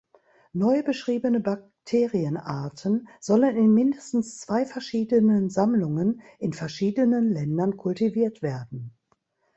Neu beschriebene Bakterienarten sollen in mindestens zwei verschiedenen Sammlungen in verschiedenen Ländern kultiviert werden.